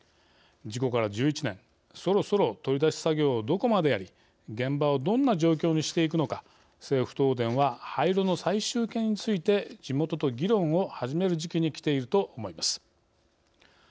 事故から１１年そろそろ取り出し作業をどこまでやり現場をどんな状況にしていくのか政府・東電は廃炉の最終形について地元と議論を始める時期にきていると思います。